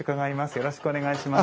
よろしくお願いします。